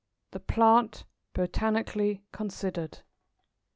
THE PLANT BOTANICALLY CONSIDERED.